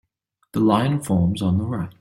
The line forms on the right.